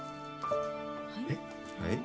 はい？